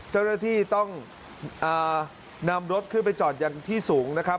เจ้าหน้าที่ต้องนำรถขึ้นไปจอดอย่างที่สูงนะครับ